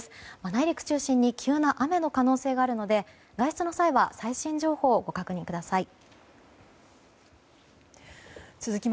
内陸中心に急な雨の可能性があるので外出の際は最新情報をご確認ください。